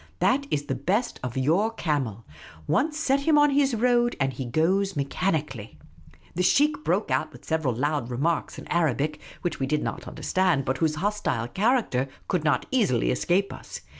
That is the best of yonr camel. Once set him on his road, and he goes mechanically. The sheikh broke out with several loud remarks in Arabic, which we did not understand, but whose hostile character could not easily escape us.